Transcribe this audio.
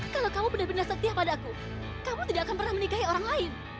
kalau kamu benar benar setia pada aku kamu tidak akan pernah menikahi orang lain